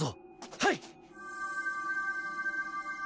はい！